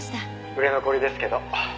「売れ残りですけど」